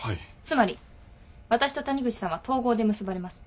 つまり私と谷口さんは等号で結ばれます。